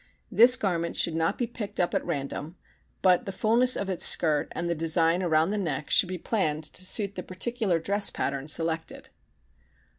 This garment should not be picked up at random but the fullness of its skirt and the design around the neck should be planned to suit the particular dress pattern selected.